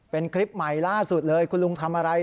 เป็นคลิปใหม่ล่าสุดเลยคุณลุงทำอะไร